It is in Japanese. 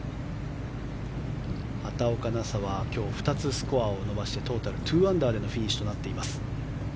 畑岡奈紗は今日２つスコアを伸ばしてトータル２アンダーでのフィニッシュとなっています。